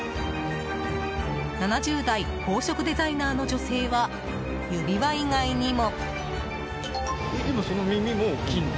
７０代宝飾デザイナーの女性は指輪以外にも。